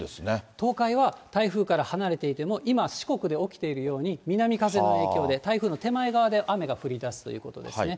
東海は台風から離れていても、今、四国で起きているように、南風の影響で台風の手前側で雨が降りだすということですね。